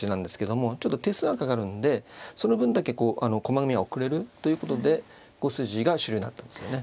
ちょっと手数がかかるんでその分だけ駒組みが遅れるということで５筋が主流になったんですよね。